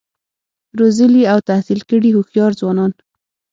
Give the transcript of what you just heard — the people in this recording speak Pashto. روزلي او تحصیل کړي هوښیار ځوانان